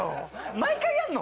毎回やるの？